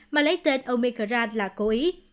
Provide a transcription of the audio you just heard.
mà lấy tên omicron là cố ý